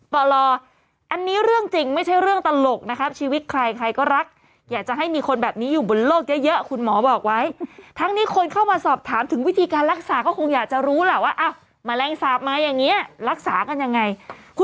เป็นเจ้าป่าช้าเป็นผูตผีปีศาจทั้งหมดเนี่ยนะฮะ